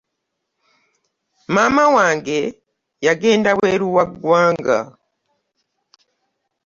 Maama wange yagenda bweru wa ggwanga.